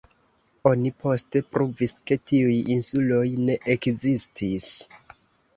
Oni poste pruvis, ke tiuj insuloj ne ekzistis.